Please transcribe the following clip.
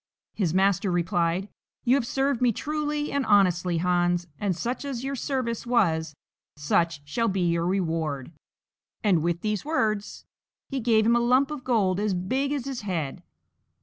His Master replied, "You have served me truly and honestly, Hans, and such as your service was, such shall be your reward;" and with these words he gave him a lump of gold as big as his head.